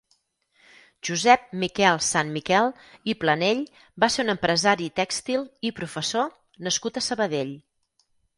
Josep Miquel Sanmiquel i Planell va ser un empresari tèxtil i professor nascut a Sabadell.